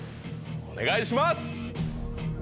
お願いします！